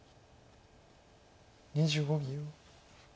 ２５秒。